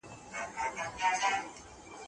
په بګړۍ د ننګرهار کي نارنج ګل ټومبم د غرونو